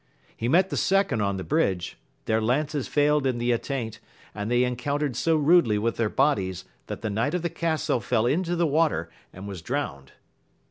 He met the second on the bridge ; their lances failed in the attaint, and they en countered so rudely with their bodies, that the knight of the castle fell into the water and was drowned.